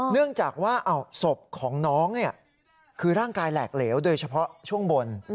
เนื่องจากว่าศพของน้องคือร่างกายแหลกเหลวโดยเฉพาะช่วงบน